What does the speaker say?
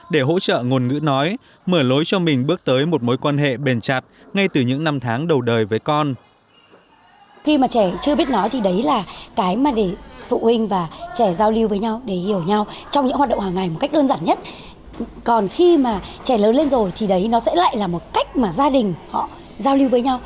để hỗ trợ ngôn ngữ nói mở lối cho mình bước tới một cuộc đời